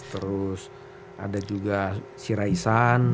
terus ada juga siraisan